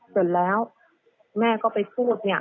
เสร็จแล้วแม่ก็ไปพูดเนี่ย